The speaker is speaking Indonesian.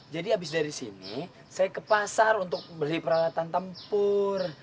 jadi habis dari sini saya ke pasar untuk beli peralatan tempur